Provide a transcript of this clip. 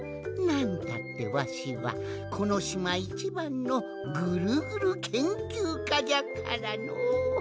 なんたってわしはこのしまいちばんの「ぐるぐるけんきゅうか」じゃからのう。